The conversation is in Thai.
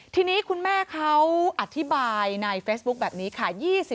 ทีนี้คุณแม่เขาอธิบายในเฟซบุ๊คแบบนี้ค่ะ